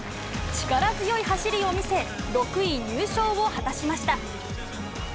力強い走りを見せ、６位入賞を果たしました。